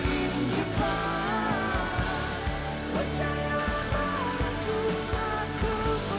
ku ingin lenyap pelukmu